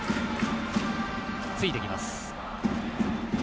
ついていきます。